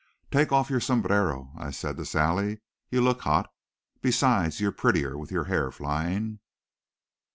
"Take off your sombrero," I said to Sally. "You look hot. Besides, you're prettier with your hair flying."